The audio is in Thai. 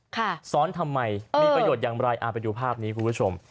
ซ้อนทำไมมีประโยชน์อย่างไรอ่าไปดูภาพนี้คุณผู้ชม